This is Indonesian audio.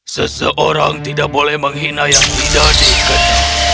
seseorang tidak boleh menghina yang tidak diikat